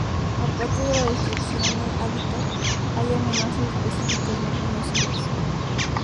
Aparte de la destrucción del hábitat, hay amenazas específicas no conocidas.